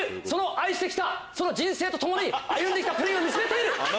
愛してきた人生と共に歩んできたプリンを見つめている。